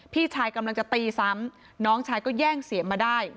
พี่ชายกำลังจะตีซ้ำน้องชายก็แย่งเสียงมาได้